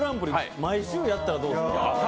毎週やったらどうですか？